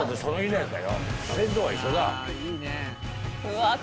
うわ。